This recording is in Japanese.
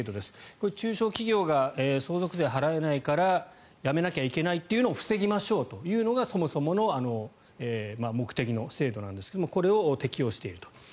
これ、中小企業が相続税を払えないからやめなきゃいけないというのを防ぎましょうというのがそもそもの目的の制度なんですがこれを適用していると。